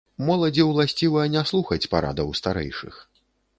Моладзі ўласціва не слухаць парадаў старэйшых.